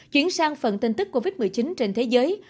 chuyển sang phần tin tức covid một mươi chín trên thế giới